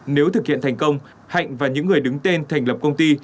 nếu thực hiện thành công hạnh và những người đứng tên thành lập công ty